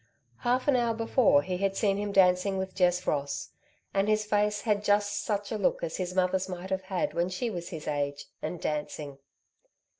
Half an hour before he had seen him dancing with Jess Ross, and his face had just such a look as his mother's might have had when she was his age, and dancing.